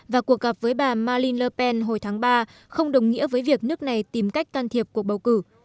và cuộc gặp với bà maliner pen hồi tháng ba không đồng nghĩa với việc nước này tìm cách can thiệp cuộc bầu cử